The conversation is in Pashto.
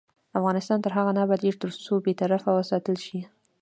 افغانستان تر هغو نه ابادیږي، ترڅو بې طرفي وساتل شي.